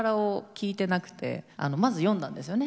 まず読んだんですよね